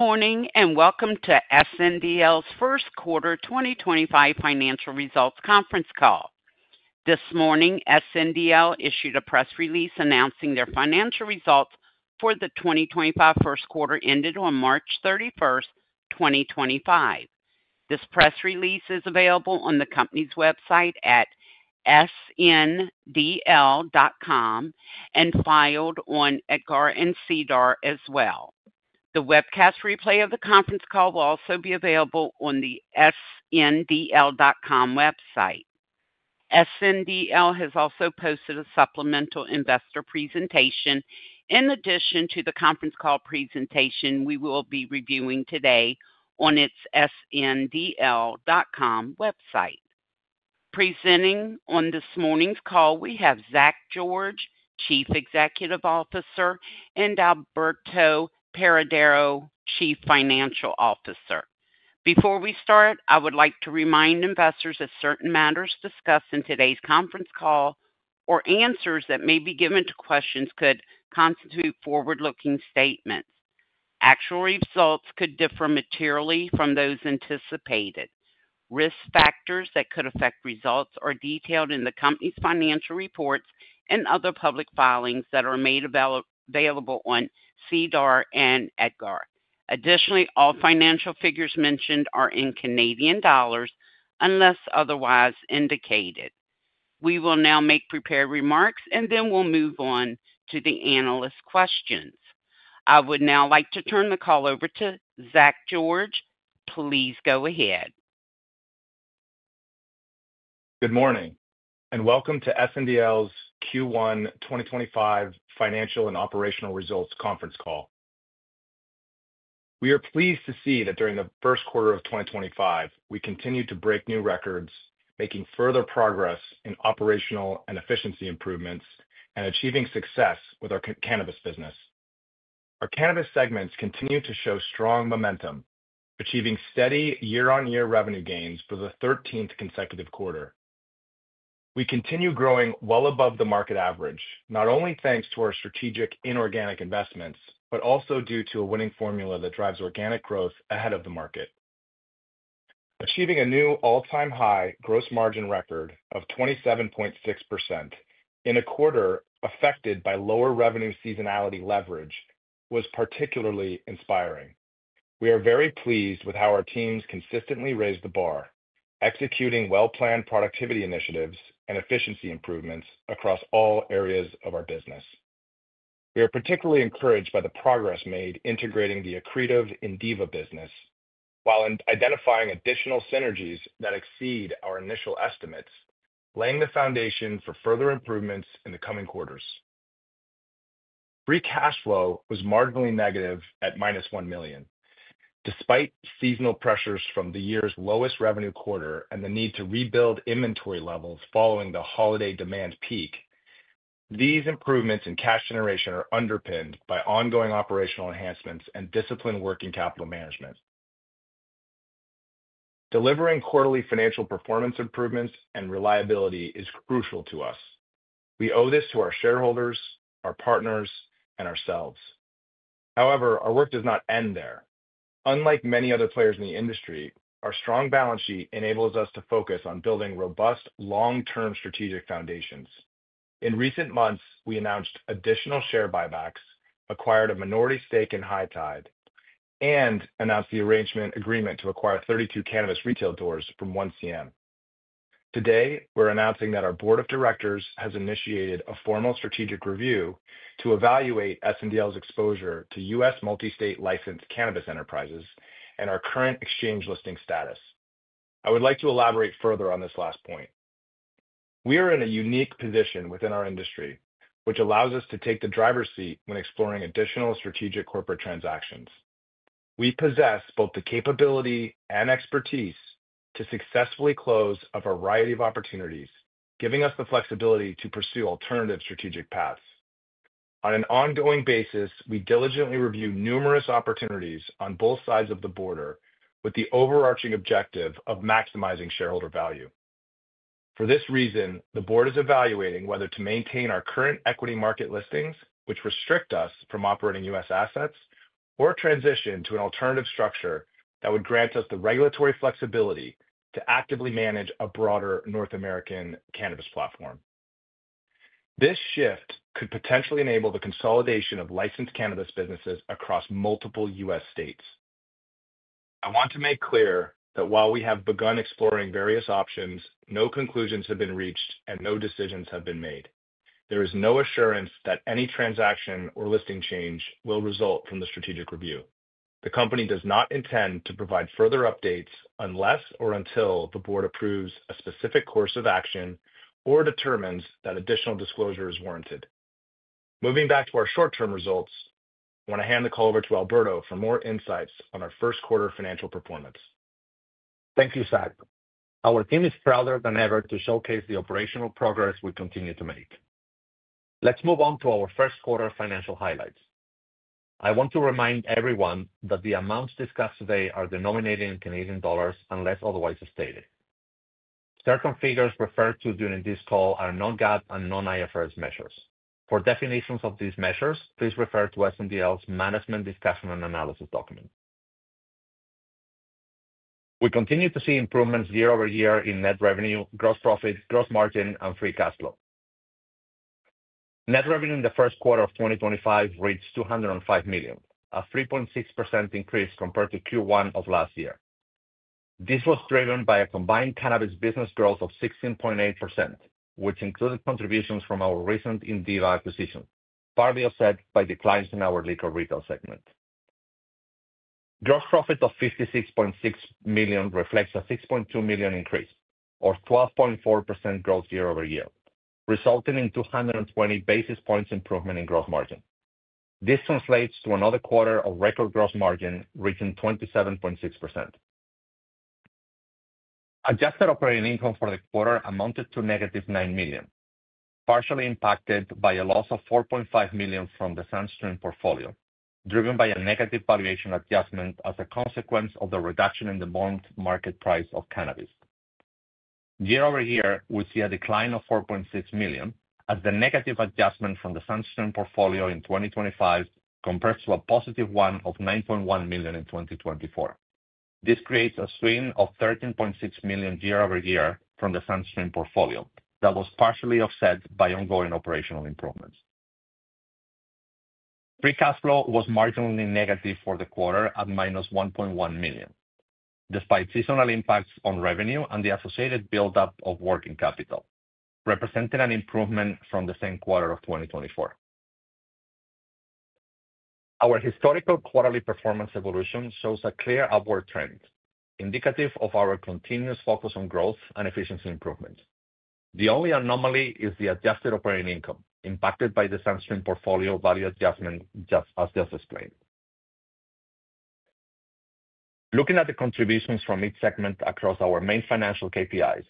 Morning, and welcome to SNDL's first quarter 2025 financial results conference call. This morning, SNDL issued a press release announcing their financial results for the 2025 first quarter ended on March 31st, 2025. This press release is available on the company's website at sndl.com and filed on EDGAR and SEDAR as well. The webcast replay of the conference call will also be available on the sndl.com website. SNDL has also posted a supplemental investor presentation in addition to the conference call presentation we will be reviewing today on its sndl.com website. Presenting on this morning's call, we have Zach George, Chief Executive Officer, and Alberto Paredero, Chief Financial Officer. Before we start, I would like to remind investors that certain matters discussed in today's conference call or answers that may be given to questions could constitute forward-looking statements. Actual results could differ materially from those anticipated. Risk factors that could affect results are detailed in the company's financial reports and other public filings that are made available on SEDAR and EDGAR. Additionally, all financial figures mentioned are in Canadian Dollars unless otherwise indicated. We will now make prepared remarks, and then we'll move on to the analyst questions. I would now like to turn the call over to Zach George. Please go ahead. Good morning, and welcome to SNDL's Q1 2025 financial and operational results conference call. We are pleased to see that during the first quarter of 2025, we continue to break new records, making further progress in operational and efficiency improvements and achieving success with our cannabis business. Our cannabis segments continue to show strong momentum, achieving steady year-on-year revenue gains for the 13th consecutive quarter. We continue growing well above the market average, not only thanks to our strategic inorganic investments, but also due to a winning formula that drives organic growth ahead of the market. Achieving a new all-time high gross margin record of 27.6% in a quarter affected by lower revenue seasonality leverage was particularly inspiring. We are very pleased with how our teams consistently raised the bar, executing well-planned productivity initiatives and efficiency improvements across all areas of our business. We are particularly encouraged by the progress made integrating the accretive Indiva business while identifying additional synergies that exceed our initial estimates, laying the foundation for further improvements in the coming quarters. Free cash flow was marginally negative at -1 million. Despite seasonal pressures from the year's lowest revenue quarter and the need to rebuild inventory levels following the holiday demand peak, these improvements in cash generation are underpinned by ongoing operational enhancements and disciplined work in capital management. Delivering quarterly financial performance improvements and reliability is crucial to us. We owe this to our shareholders, our partners, and ourselves. However, our work does not end there. Unlike many other players in the industry, our strong balance sheet enables us to focus on building robust long-term strategic foundations. In recent months, we announced additional share buybacks, acquired a minority stake in High Tide, and announced the arrangement agreement to acquire 32 cannabis retail stores from 1CM. Today, we're announcing that our Board of Directors has initiated a formal strategic review to evaluate SNDL's exposure to U.S. multi-state licensed cannabis enterprises and our current exchange listing status. I would like to elaborate further on this last point. We are in a unique position within our industry, which allows us to take the driver's seat when exploring additional strategic corporate transactions. We possess both the capability and expertise to successfully close a variety of opportunities, giving us the flexibility to pursue alternative strategic paths. On an ongoing basis, we diligently review numerous opportunities on both sides of the border with the overarching objective of maximizing shareholder value. For this reason, the board is evaluating whether to maintain our current equity market listings, which restrict us from operating U.S. assets, or transition to an alternative structure that would grant us the regulatory flexibility to actively manage a broader North American cannabis platform. This shift could potentially enable the consolidation of licensed cannabis businesses across multiple U.S. states. I want to make clear that while we have begun exploring various options, no conclusions have been reached and no decisions have been made. There is no assurance that any transaction or listing change will result from the strategic review. The company does not intend to provide further updates unless or until the board approves a specific course of action or determines that additional disclosure is warranted. Moving back to our short-term results, I want to hand the call over to Alberto for more insights on our first quarter financial performance. Thank you, Zach. Our team is prouder than ever to showcase the operational progress we continue to make. Let's move on to our first quarter financial highlights. I want to remind everyone that the amounts discussed today are denominated in Canadian Dollars unless otherwise stated. Certain figures referred to during this call are non-GAAP and non-IFRS measures. For definitions of these measures, please refer to SNDL's Management Discussion and Analysis Document. We continue to see improvements year-over-year in net revenue, gross profit, gross margin, and free cash flow. Net revenue in the first quarter of 2025 reached 205 million, a 3.6% increase compared to Q1 of last year. This was driven by a combined cannabis business growth of 16.8%, which included contributions from our recent Indiva acquisition, partly offset by declines in our liquor retail segment. Gross profit of 56.6 million reflects a 6.2 million increase, or 12.4% growth year-over-year, resulting in 220 basis points improvement in gross margin. This translates to another quarter of record gross margin reaching 27.6%. Adjusted operating income for the quarter amounted to -9 million, partially impacted by a loss of 4.5 million from the SunStream portfolio, driven by a negative valuation adjustment as a consequence of the reduction in the bond market price of cannabis. Year-over-year, we see a decline of 4.6 million as the negative adjustment from the SunStream portfolio in 2025 compares to a +1 of 9.1 million in 2024. This creates a swing of 13.6 million year-over-year from the SunStream portfolio that was partially offset by ongoing operational improvements. Free cash flow was marginally negative for the quarter at 1.1 million, despite seasonal impacts on revenue and the associated build-up of working capital, representing an improvement from the same quarter of 2024. Our historical quarterly performance evolution shows a clear upward trend, indicative of our continuous focus on growth and efficiency improvements. The only anomaly is the adjusted operating income impacted by the SunStream portfolio value adjustment, just as just explained. Looking at the contributions from each segment across our main financial KPIs,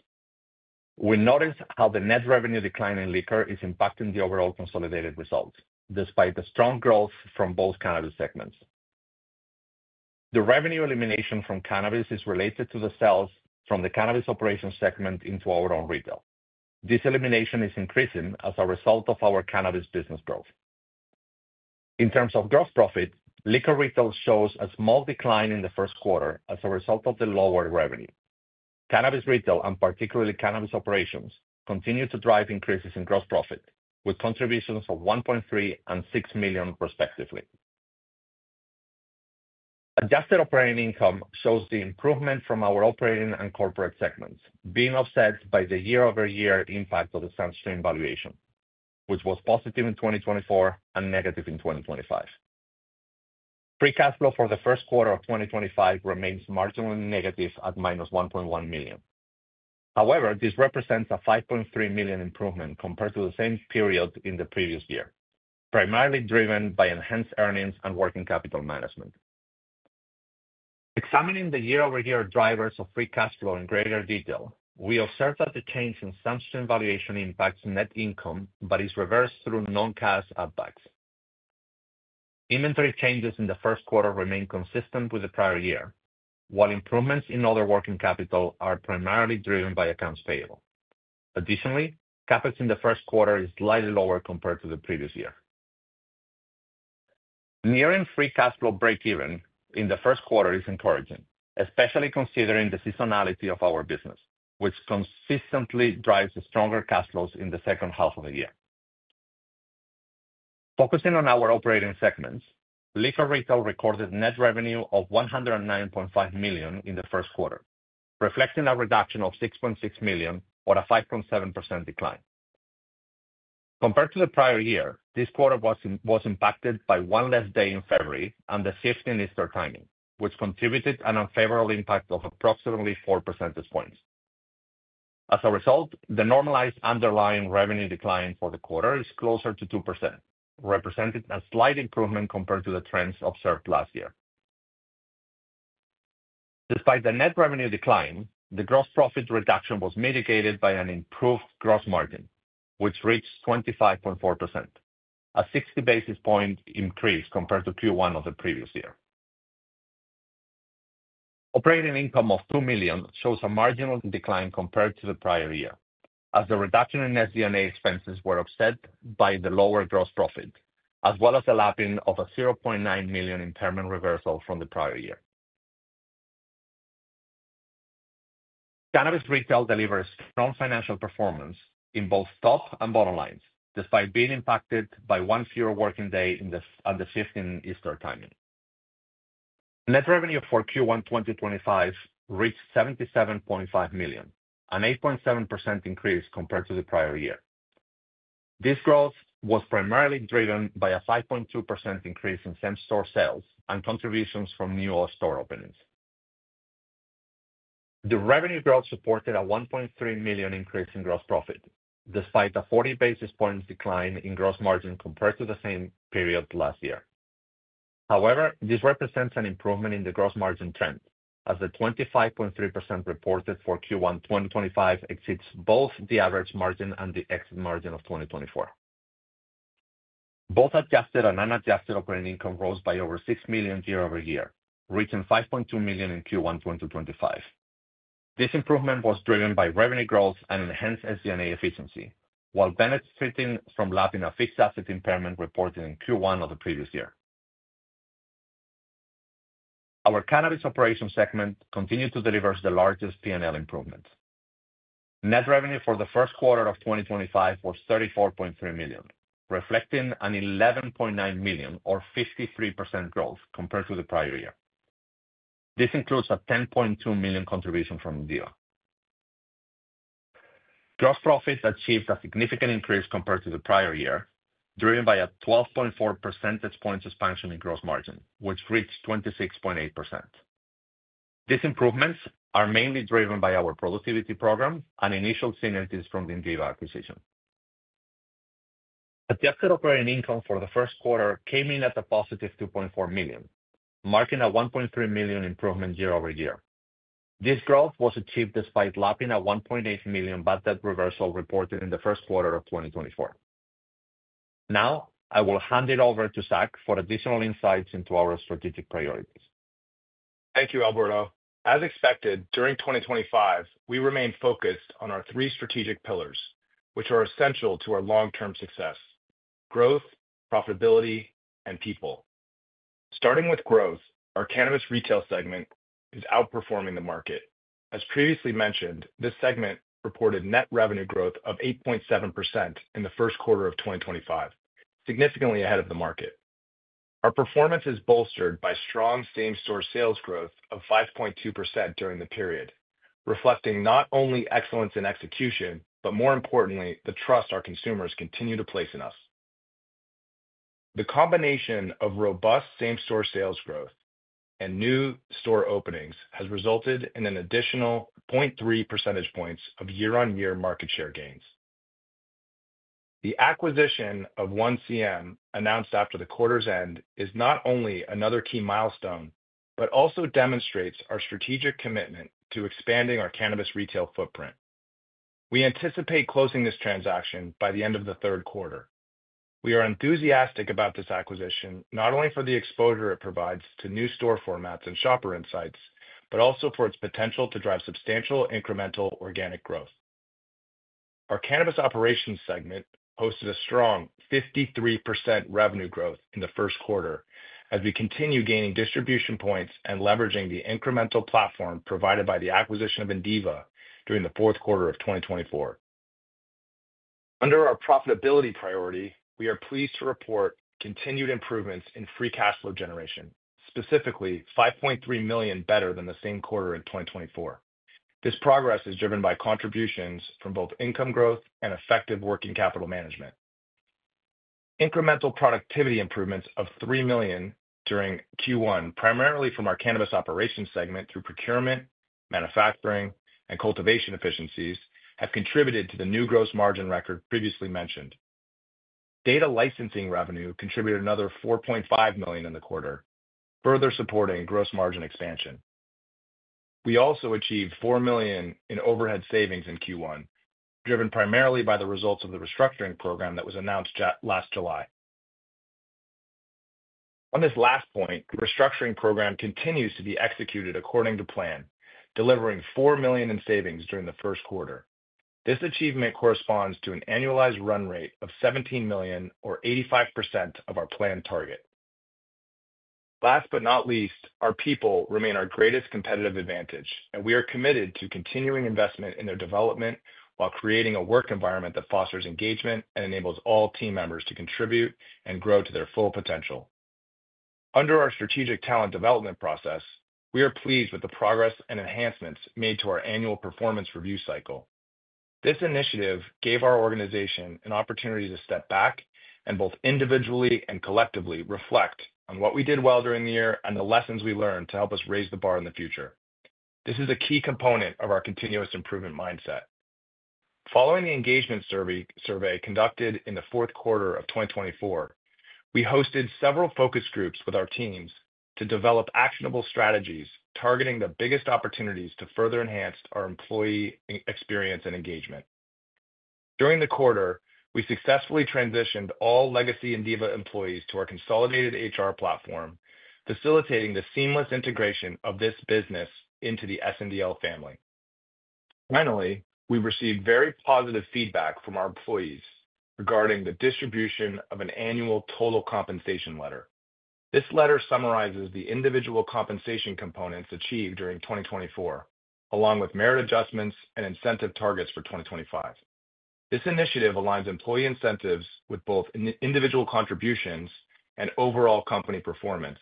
we notice how the net revenue decline in liquor is impacting the overall consolidated results, despite the strong growth from both cannabis segments. The revenue elimination from cannabis is related to the sales from the cannabis operations segment into our own retail. This elimination is increasing as a result of our cannabis business growth. In terms of gross profit, liquor retail shows a small decline in the first quarter as a result of the lower revenue. Cannabis retail, and particularly cannabis operations, continue to drive increases in gross profit, with contributions of 1.3 million and 6 million respectively. Adjusted operating income shows the improvement from our operating and corporate segments, being offset by the year-over-year impact of the SunStream valuation, which was positive in 2024 and negative in 2025. Free cash flow for the first quarter of 2025 remains marginally negative at -1.1 million. However, this represents a 5.3 million improvement compared to the same period in the previous year, primarily driven by enhanced earnings and working capital management. Examining the year-over-year drivers of free cash flow in greater detail, we observe that the change in SunStream valuation impacts net income but is reversed through non-cash add-backs. Inventory changes in the first quarter remain consistent with the prior year, while improvements in other working capital are primarily driven by accounts payable. Additionally, capital in the first quarter is slightly lower compared to the previous year. Nearing free cash flow break-even in the first quarter is encouraging, especially considering the seasonality of our business, which consistently drives stronger cash flows in the second half of the year. Focusing on our operating segments, liquor retail recorded net revenue of 109.5 million in the first quarter, reflecting a reduction of 6.6 million or a 5.7% decline. Compared to the prior year, this quarter was impacted by one less day in February and the shift in Easter timing, which contributed to an unfavorable impact of approximately 4 percentage points. As a result, the normalized underlying revenue decline for the quarter is closer to 2%, representing a slight improvement compared to the trends observed last year. Despite the net revenue decline, the gross profit reduction was mitigated by an improved gross margin, which reached 25.4%, a 60 basis point increase compared to Q1 of the previous year. Operating income of 2 million shows a marginal decline compared to the prior year, as the reduction in SG&A expenses was offset by the lower gross profit, as well as the lapping of a 0.9 million impairment reversal from the prior year. Cannabis retail delivers strong financial performance in both top and bottom lines, despite being impacted by one fewer working day and the shift in Easter timing. Net revenue for Q1 2025 reached 77.5 million, an 8.7% increase compared to the prior year. This growth was primarily driven by a 5.2% increase in same-store sales and contributions from new all-store openings. The revenue growth supported a 1.3 million increase in gross profit, despite a 40 basis points decline in gross margin compared to the same period last year. However, this represents an improvement in the gross margin trend, as the 25.3% reported for Q1 2025 exceeds both the average margin and the exit margin of 2024. Both adjusted and unadjusted operating income rose by over 6 million year-over-year, reaching 5.2 million in Q1 2025. This improvement was driven by revenue growth and enhanced SG&A efficiency, while benefiting from lapping a fixed asset impairment reported in Q1 of the previous year. Our cannabis operations segment continued to deliver the largest P&L improvements. Net revenue for the first quarter of 2025 was 34.3 million, reflecting an 11.9 million or 53% growth compared to the prior year. This includes a 10.2 million contribution from Indiva. Gross profit achieved a significant increase compared to the prior year, driven by a 12.4 percentage point expansion in gross margin, which reached 26.8%. These improvements are mainly driven by our productivity program and initial synergies from the Indiva acquisition. Adjusted operating income for the first quarter came in at a +2.4 million, marking a 1.3 million improvement year-over-year. This growth was achieved despite lapping a 1.8 million bad debt reversal reported in the first quarter of 2024. Now, I will hand it over to Zach for additional insights into our strategic priorities. Thank you, Alberto. As expected, during 2025, we remain focused on our three strategic pillars, which are essential to our long-term success: growth, profitability, and people. Starting with growth, our cannabis retail segment is outperforming the market. As previously mentioned, this segment reported net revenue growth of 8.7% in the first quarter of 2025, significantly ahead of the market. Our performance is bolstered by strong same-store sales growth of 5.2% during the period, reflecting not only excellence in execution, but more importantly, the trust our consumers continue to place in us. The combination of robust same-store sales growth and new store openings has resulted in an additional 0.3 percentage points of year-on-year market share gains. The acquisition of 1CM, announced after the quarter's end, is not only another key milestone but also demonstrates our strategic commitment to expanding our cannabis retail footprint. We anticipate closing this transaction by the end of the third quarter. We are enthusiastic about this acquisition, not only for the exposure it provides to new store formats and shopper insights, but also for its potential to drive substantial incremental organic growth. Our cannabis operations segment posted a strong 53% revenue growth in the first quarter as we continue gaining distribution points and leveraging the incremental platform provided by the acquisition of Indiva during the fourth quarter of 2024. Under our profitability priority, we are pleased to report continued improvements in free cash flow generation, specifically 5.3 million better than the same quarter in 2024. This progress is driven by contributions from both income growth and effective working capital management. Incremental productivity improvements of 3 million during Q1, primarily from our cannabis operations segment through procurement, manufacturing, and cultivation efficiencies, have contributed to the new gross margin record previously mentioned. Data licensing revenue contributed another 4.5 million in the quarter, further supporting gross margin expansion. We also achieved 4 million in overhead savings in Q1, driven primarily by the results of the restructuring program that was announced last July. On this last point, the restructuring program continues to be executed according to plan, delivering 4 million in savings during the first quarter. This achievement corresponds to an annualized run rate of 17 million, or 85% of our planned target. Last but not least, our people remain our greatest competitive advantage, and we are committed to continuing investment in their development while creating a work environment that fosters engagement and enables all team members to contribute and grow to their full potential. Under our strategic talent development process, we are pleased with the progress and enhancements made to our annual performance review cycle. This initiative gave our organization an opportunity to step back and both individually and collectively reflect on what we did well during the year and the lessons we learned to help us raise the bar in the future. This is a key component of our continuous improvement mindset. Following the engagement survey conducted in the fourth quarter of 2024, we hosted several focus groups with our teams to develop actionable strategies targeting the biggest opportunities to further enhance our employee experience and engagement. During the quarter, we successfully transitioned all legacy Indiva employees to our consolidated HR platform, facilitating the seamless integration of this business into the SNDL family. Finally, we received very positive feedback from our employees regarding the distribution of an annual total compensation letter. This letter summarizes the individual compensation components achieved during 2024, along with merit adjustments and incentive targets for 2025. This initiative aligns employee incentives with both individual contributions and overall company performance,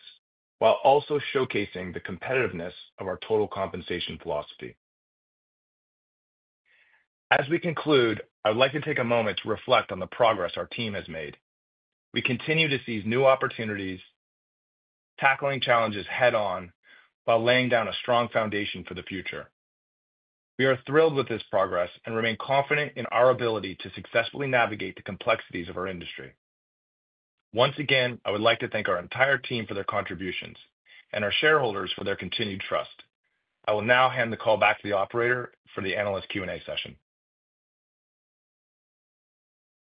while also showcasing the competitiveness of our total compensation philosophy. As we conclude, I would like to take a moment to reflect on the progress our team has made. We continue to seize new opportunities, tackling challenges head-on while laying down a strong foundation for the future. We are thrilled with this progress and remain confident in our ability to successfully navigate the complexities of our industry. Once again, I would like to thank our entire team for their contributions and our shareholders for their continued trust. I will now hand the call back to the operator for the analyst Q&A session.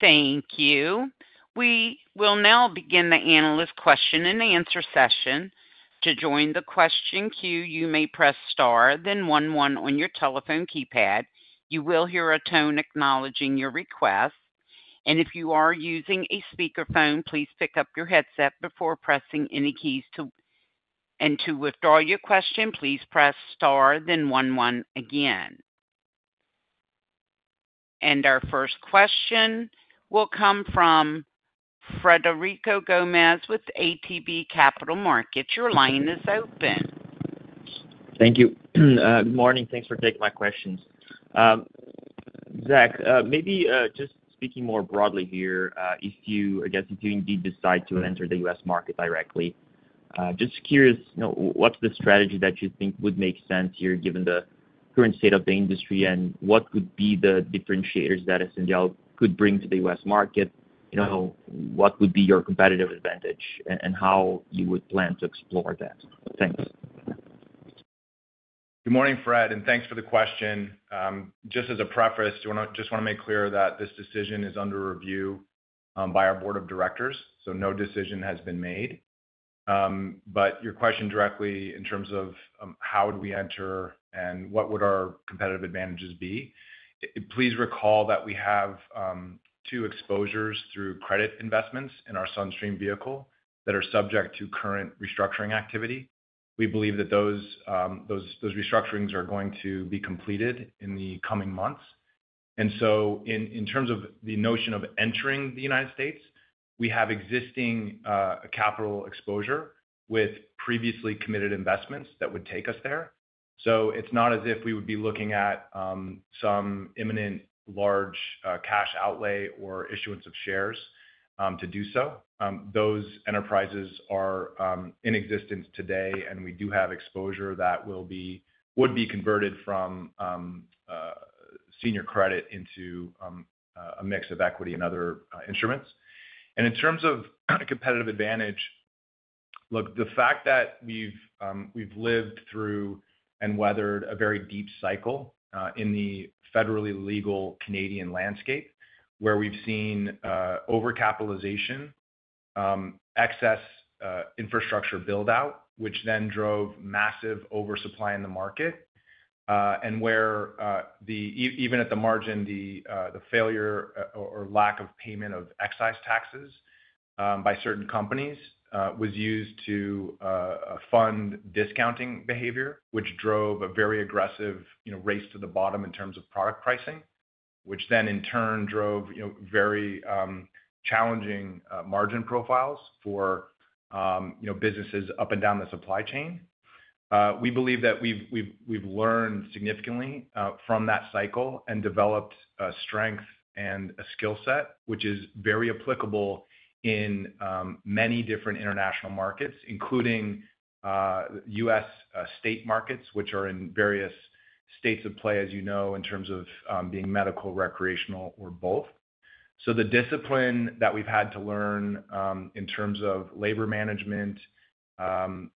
Thank you. We will now begin the analyst question and answer session. To join the question queue, you may press star, then 1-1 on your telephone keypad. You will hear a tone acknowledging your request. If you are using a speakerphone, please pick up your headset before pressing any keys. To withdraw your question, please press star, then 1-1 again. Our first question will come from Frederico Gomes with ATB Capital Markets. Your line is open. Thank you. Good morning. Thanks for taking my questions. Zach, maybe just speaking more broadly here, I guess if you indeed decide to enter the U.S. market directly, just curious, what's the strategy that you think would make sense here given the current state of the industry and what would be the differentiators that SNDL could bring to the U.S. market? What would be your competitive advantage and how you would plan to explore that? Thanks. Good morning, Fred, and thanks for the question. Just as a preface, I just want to make clear that this decision is under review by our Board of Directors, so no decision has been made. To your question directly in terms of how would we enter and what would our competitive advantages be, please recall that we have two exposures through credit investments in our SunStream vehicle that are subject to current restructuring activity. We believe that those restructurings are going to be completed in the coming months. In terms of the notion of entering the United States, we have existing capital exposure with previously committed investments that would take us there. It is not as if we would be looking at some imminent large cash outlay or issuance of shares to do so. Those enterprises are in existence today, and we do have exposure that would be converted from senior credit into a mix of equity and other instruments. In terms of a competitive advantage, look, the fact that we've lived through and weathered a very deep cycle in the federally legal Canadian landscape where we've seen overcapitalization, excess infrastructure buildout, which then drove massive oversupply in the market, and where even at the margin, the failure or lack of payment of excise taxes by certain companies was used to fund discounting behavior, which drove a very aggressive race to the bottom in terms of product pricing, which then in turn drove very challenging margin profiles for businesses up and down the supply chain. We believe that we've learned significantly from that cycle and developed strength and a skill set, which is very applicable in many different international markets, including the U.S.. State markets, which are in various states of play, as you know, in terms of being medical, recreational, or both. The discipline that we've had to learn in terms of labor management and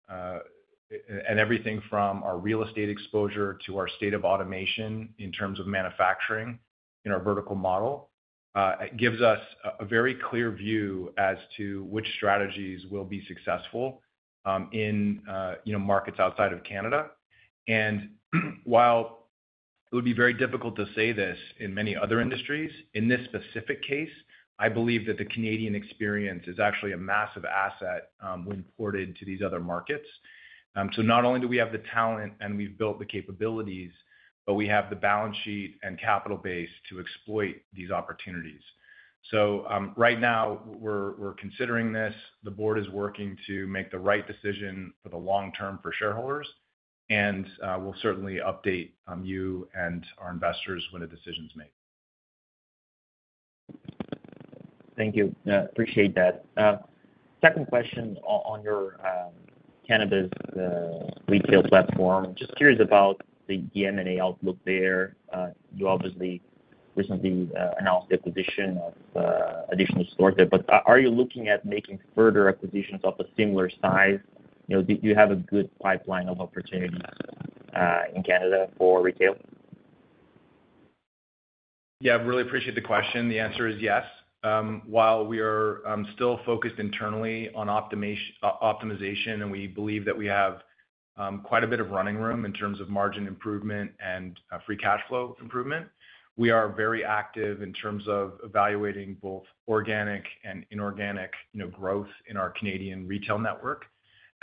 everything from our real estate exposure to our state of automation in terms of manufacturing in our vertical model, it gives us a very clear view as to which strategies will be successful in markets outside of Canada. While it would be very difficult to say this in many other industries, in this specific case, I believe that the Canadian experience is actually a massive asset when ported to these other markets. Not only do we have the talent and we've built the capabilities, but we have the balance sheet and capital base to exploit these opportunities. Right now, we're considering this. The board is working to make the right decision for the long term for shareholders, and we'll certainly update you and our investors when a decision is made. Thank you. Appreciate that. Second question on your cannabis retail platform. Just curious about the M&A outlook there. You obviously recently announced the acquisition of additional store there, but are you looking at making further acquisitions of a similar size? Do you have a good pipeline of opportunities in Canada for retail? Yeah, I really appreciate the question. The answer is yes. While we are still focused internally on optimization, and we believe that we have quite a bit of running room in terms of margin improvement and free cash flow improvement, we are very active in terms of evaluating both organic and inorganic growth in our Canadian retail network.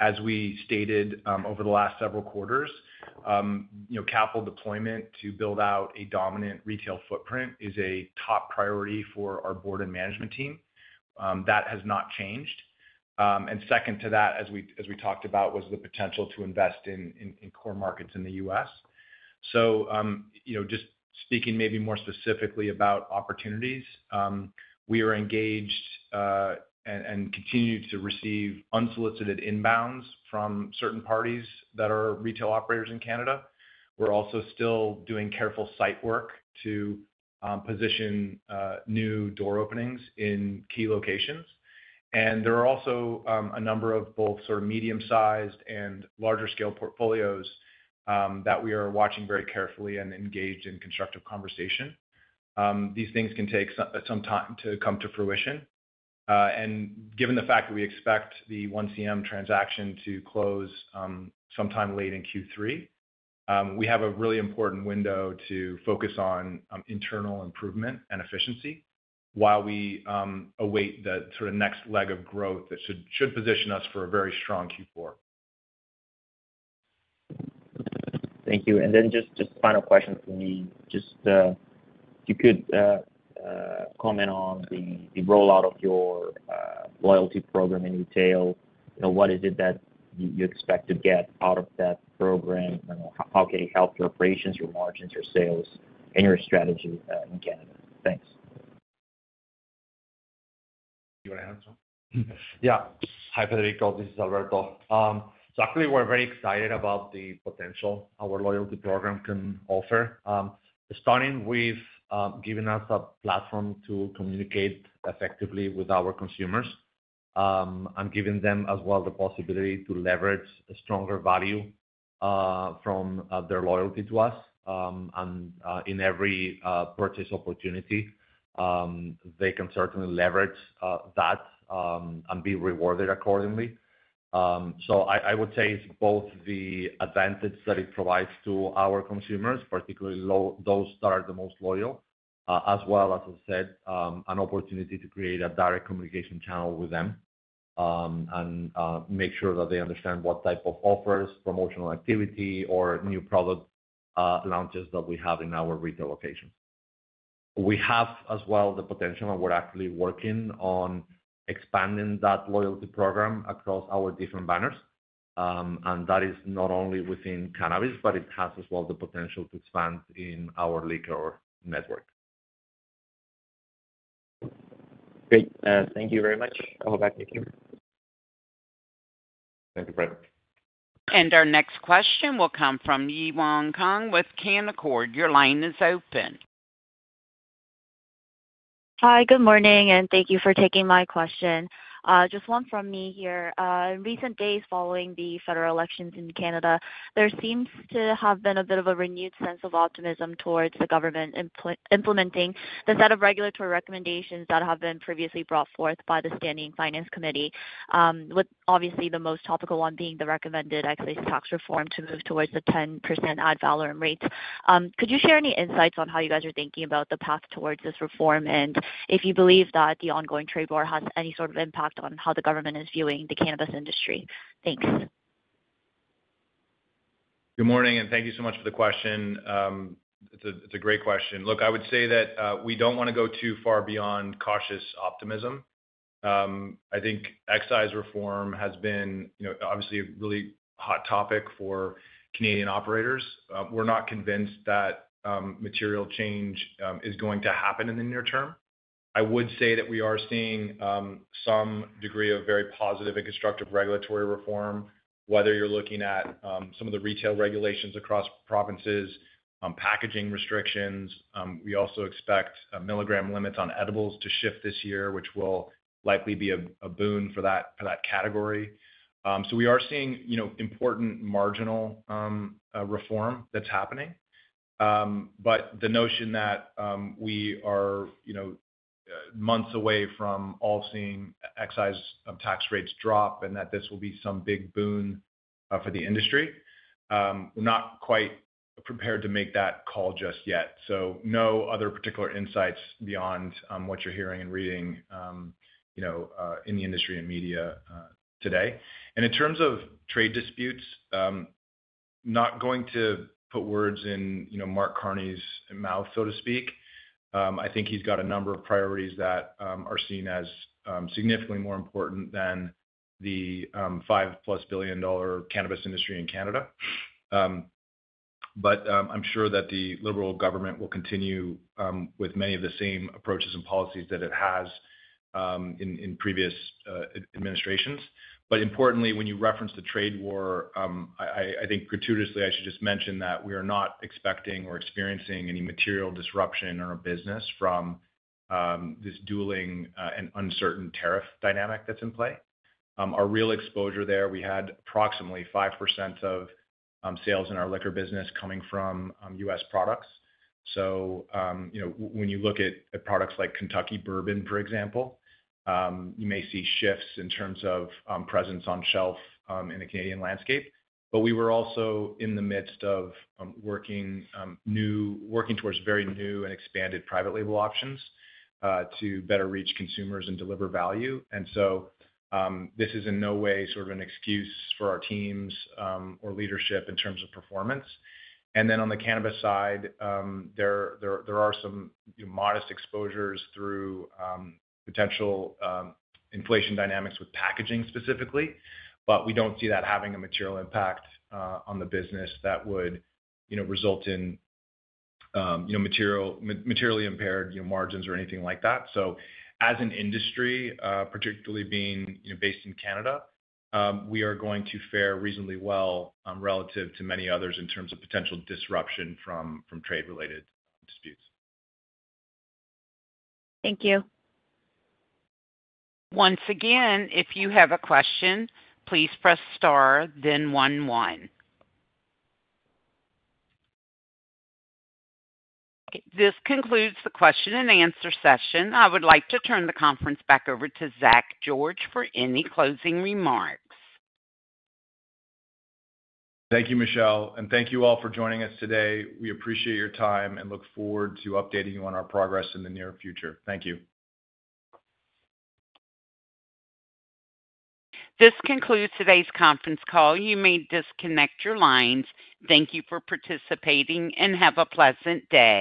As we stated over the last several quarters, capital deployment to build out a dominant retail footprint is a top priority for our board and management team. That has not changed. Second to that, as we talked about, was the potential to invest in core markets in the U.S.. Just speaking maybe more specifically about opportunities, we are engaged and continue to receive unsolicited inbounds from certain parties that are retail operators in Canada. We are also still doing careful site work to position new door openings in key locations. There are also a number of both sort of medium-sized and larger-scale portfolios that we are watching very carefully and engaged in constructive conversation. These things can take some time to come to fruition. Given the fact that we expect the 1CM transaction to close sometime late in Q3, we have a really important window to focus on internal improvement and efficiency while we await the sort of next leg of growth that should position us for a very strong Q4. Thank you. Just final question for me. Just if you could comment on the rollout of your loyalty program in retail, what is it that you expect to get out of that program? How can it help your operations, your margins, your sales, and your strategy in Canada? Thanks. Do you want to answer? Yeah. Hi, Frederico. This is Alberto. Actually, we're very excited about the potential our loyalty program can offer, starting with giving us a platform to communicate effectively with our consumers and giving them as well the possibility to leverage a stronger value from their loyalty to us. In every purchase opportunity, they can certainly leverage that and be rewarded accordingly. I would say it's both the advantage that it provides to our consumers, particularly those that are the most loyal, as well as, as I said, an opportunity to create a direct communication channel with them and make sure that they understand what type of offers, promotional activity, or new product launches that we have in our retail locations. We have as well the potential, and we're actually working on expanding that loyalty program across our different banners. That is not only within cannabis, but it has as well the potential to expand in our liquor network. Great. Thank you very much. I'll go back to you. Thank you, Fred. Our next question will come from Yewon Kang with Canaccord. Your line is open. Hi, good morning, and thank you for taking my question. Just one from me here. In recent days following the federal elections in Canada, there seems to have been a bit of a renewed sense of optimism towards the government implementing the set of regulatory recommendations that have been previously brought forth by the Standing Finance Committee, with obviously the most topical one being the recommended excise tax reform to move towards the 10% ad valorem rate. Could you share any insights on how you guys are thinking about the path towards this reform and if you believe that the ongoing trade war has any sort of impact on how the government is viewing the cannabis industry? Thanks. Good morning, and thank you so much for the question. It's a great question. Look, I would say that we don't want to go too far beyond cautious optimism. I think excise reform has been obviously a really hot topic for Canadian operators. We're not convinced that material change is going to happen in the near term. I would say that we are seeing some degree of very positive and constructive regulatory reform, whether you're looking at some of the retail regulations across provinces, packaging restrictions. We also expect milligram limits on edibles to shift this year, which will likely be a boon for that category. We are seeing important marginal reform that's happening. The notion that we are months away from all seeing excise tax rates drop and that this will be some big boon for the industry, we're not quite prepared to make that call just yet. No other particular insights beyond what you're hearing and reading in the industry and media today. In terms of trade disputes, not going to put words in Mark Carney's mouth, so to speak. I think he's got a number of priorities that are seen as significantly more important than the 5+ billion dollar cannabis industry in Canada. I'm sure that the liberal government will continue with many of the same approaches and policies that it has in previous administrations. Importantly, when you reference the trade war, I think gratuitously I should just mention that we are not expecting or experiencing any material disruption in our business from this dueling and uncertain tariff dynamic that's in play. Our real exposure there, we had approximately 5% of sales in our liquor business coming from U.S. products. When you look at products like Kentucky bourbon, for example, you may see shifts in terms of presence on shelf in the Canadian landscape. We were also in the midst of working towards very new and expanded private label options to better reach consumers and deliver value. This is in no way sort of an excuse for our teams or leadership in terms of performance. On the cannabis side, there are some modest exposures through potential inflation dynamics with packaging specifically, but we do not see that having a material impact on the business that would result in materially impaired margins or anything like that. As an industry, particularly being based in Canada, we are going to fare reasonably well relative to many others in terms of potential disruption from trade-related disputes. Thank you. Once again, if you have a question, please press star, then 1-1. This concludes the question and answer session. I would like to turn the conference back over to Zach George for any closing remarks. Thank you, Michelle, and thank you all for joining us today. We appreciate your time and look forward to updating you on our progress in the near future. Thank you. This concludes today's conference call. You may disconnect your lines. Thank you for participating and have a pleasant day.